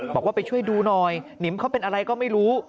บอกว่าไปช่วยดูหน่อยหนิมเขาเป็นอะไรก็ไม่รู้